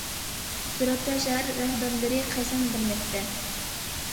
سۈرەتتە: شەھەر رەھبەرلىرى قەسەم بەرمەكتە.